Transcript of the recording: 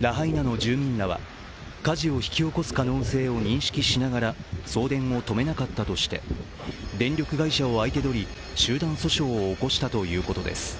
ラハイナの住民らは火事を引き起こす可能性を認識しながら送電を止めなかったとして、電力会社を相手取り集団訴訟を起こしたということです。